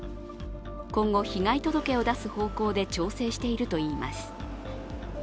今後、被害届を出す方向で調整しているといいます。